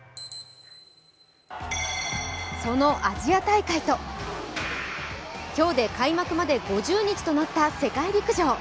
そのアジア大会と今日で開幕まで５０日となった世界陸上。